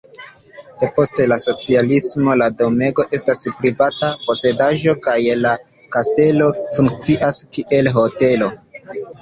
Depost la socialismo la domego estas privata posedaĵo kaj la kastelo funkcias kiel hotelo.